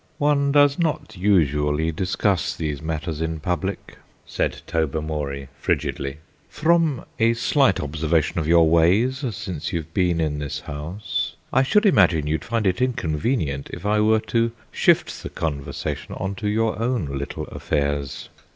"One does not usually discuss these matters in public," said Tobermory frigidly. "From a slight observation of your ways since you've been in this house I should imagine you'd find it inconvenient if I were to shift the conversation on to your own little affairs."